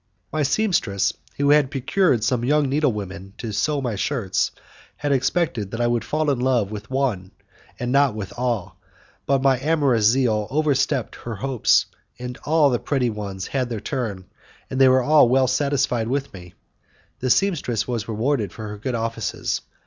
My sempstress, who had procured some young needlewomen to sew my shirts, had expected that I would fall in love with one and not with all, but my amorous zeal overstepped her hopes, and all the pretty ones had their turn; they were all well satisfied with me, and the sempstress was rewarded for her good offices.